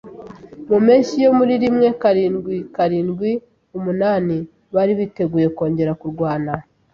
Mu mpeshyi yo mu rimwekarindwikarindwiumunani, bari biteguye kongera kurwana.